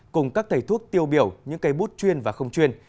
cùng các thầy thuốc tiêu biểu những cây bút chuyên và không chuyên